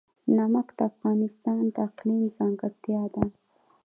نمک د افغانستان د اقلیم ځانګړتیا ده.